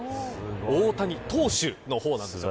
大谷投手の方なんです。